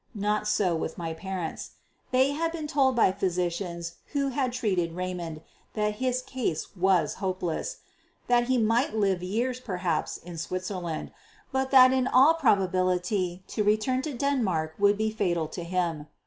Not so with my parents. They had been told by physicians who had treated Raymond that his case was hopeless; that he might live years, perhaps, in Switzerland, but that in all probability to return to Denmark would be fatal to him.